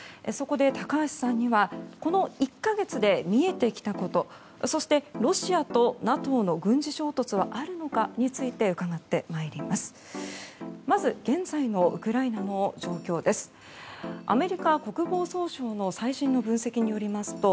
そこで高橋さんにはこの１か月で見えてきたことそして、ロシアとＮＡＴＯの軍事衝突があるのかについて伺ってまいります。